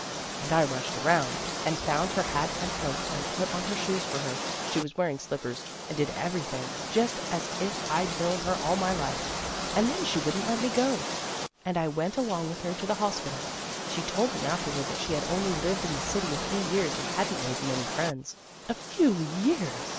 And I rushed around and 12 THE GIRLS OF FRIENDLY TERRACE found her hat and coat and put on her shoes for her she was wearing slippers and did everything, just as if I'd known her all my life. And then she wouldn't let me go, and I went along with her to the hospital. She told me afterward that she had only lived in the city a few years and hadn't made many friends. A few years!